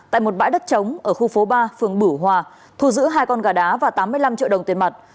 tại một bãi đất trống ở khu phố ba phường bửu hòa thu giữ hai con gà đá và tám mươi năm triệu đồng tiền mặt